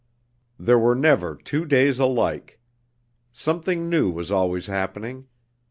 There were never two days alike. Something new was always happening.